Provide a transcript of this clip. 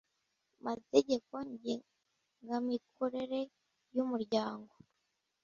Mategeko ngengamikorere y umuryango edntr